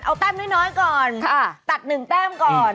เอาแต้มน้อยก่อนตัด๑แต้มก่อน